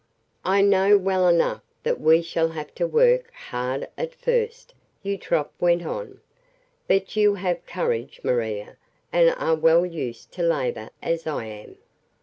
"I know well enough that we shall have to work hard at first," Eutrope went on, "but you have courage, Maria, and are well used to labour, as I am.